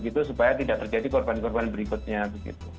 supaya tidak terjadi korban korban berikutnya begitu